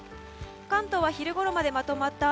関東は昼ごろまでまとまった雨。